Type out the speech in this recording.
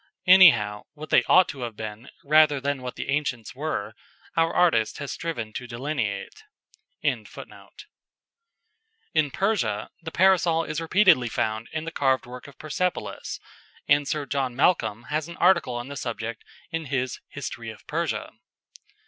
Anyhow, what they ought to have been, rather than what the ancient were, our artist has striven to delineate.] In Persia the Parasol is repeatedly found in the carved work of Persepolis, and Sir John Malcolm has an article on the subject in his "History of Persia."